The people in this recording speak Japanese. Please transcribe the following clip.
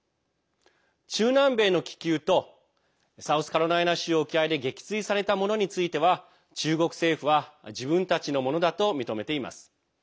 中南米の気球とサウスカロライナ州沖合で撃墜されたものについては中国政府は自分たちのものだと認めています。